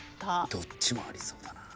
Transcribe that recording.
どっちもありそうだな。